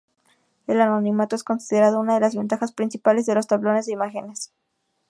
El anonimato es considerado una de las ventajas principales de los tablones de imágenes.